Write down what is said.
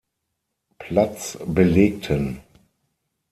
Platz belegten.